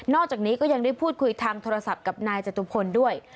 อกจากนี้ก็ยังได้พูดคุยทางโทรศัพท์กับนายจตุพลด้วย